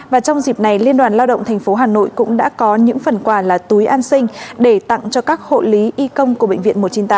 và trong dịp này liên đoàn lao động tp hà nội cũng đã có những phần quà là túi an sinh để tặng cho các hộ lý y công của bệnh viện một trăm chín mươi tám